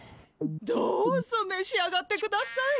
どうぞめし上がってください。